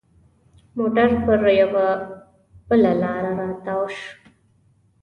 موټر پر یوه بله لاره را تاو کړ.